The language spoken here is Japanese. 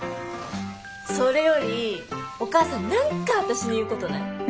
それよりお母さん何か私に言うことない？